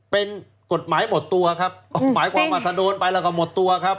เป็นกฎหมายหมดตัวครับหมายความว่าถ้าโดนไปแล้วก็หมดตัวครับ